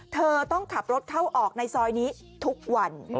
เธอต้องขับรถเข้าออกในซอยนี้ทุกวัน